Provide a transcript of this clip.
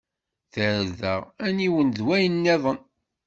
Tarda, aniwel d wayen nniḍen.